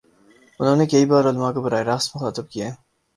انہوں نے کئی بارعلما کو براہ راست مخاطب کیا ہے۔